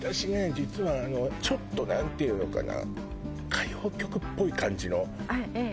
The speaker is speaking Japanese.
実はちょっと何ていうのかな歌謡曲っぽい感じのあっええあっ